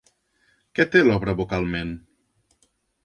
Què té l'obra vocalment?